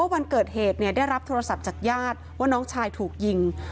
วันเกิดเหตุได้รับโทรศัพท์จากญาติว่าน้องชายถูกยิง